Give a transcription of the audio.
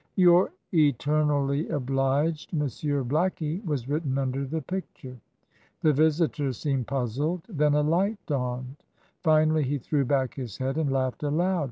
"Your eternally obliged Monsieur Blackie," was written under the picture. The visitor seemed puzzled; then a light dawned. Finally he threw back his head and laughed aloud.